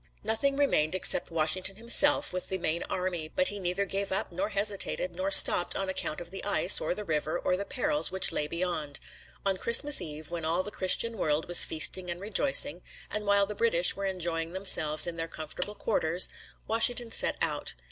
Nothing remained except Washington himself with the main army, but he neither gave up, nor hesitated, nor stopped on account of the ice, or the river, or the perils which lay beyond. On Christmas Eve, when all the Christian world was feasting and rejoicing, and while the British were enjoying themselves in their comfortable quarters, Washington set out.